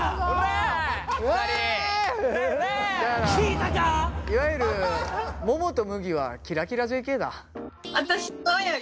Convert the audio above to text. いわゆるももとむぎはキラキラＪＫだ。